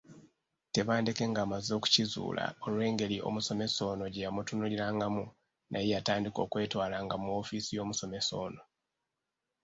Tebandeke ng’amaze okukizuula olw’engeri omusomesa ono gye yamutunuulirangamu, naye yatandika okwetwalanga mu woofiisi y’omusomesa ono.